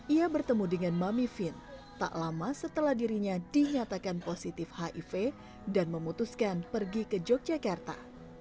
ia bertemu dengan mami vin tak lama setelah dirinya dinyatakan positif hiv dan memutuskan pergi ke yogyakarta